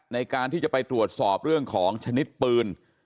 ในการที่จะไปตรวจสอบเรื่องของชนิดปืน